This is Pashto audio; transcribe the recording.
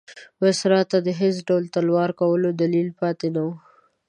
وایسرا ته د هېڅ ډول تلوار کولو دلیل پاتې نه وو.